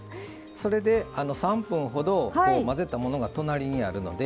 それで３分ほど混ぜたものが隣にあるので。